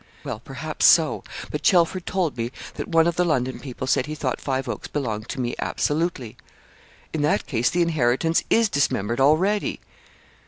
'Well, perhaps so; but Chelford told me that one of the London people said he thought Five Oaks belonged to me absolutely.' 'In that case the inheritance is dismembered already.'